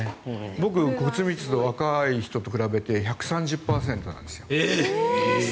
僕、骨密度、若い人と比べて１３０％なんですよ。